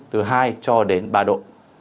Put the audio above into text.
từ hai cho đến ba độ